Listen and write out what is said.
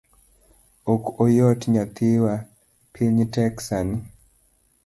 Ok oyot nyathiwa, piny tek sani.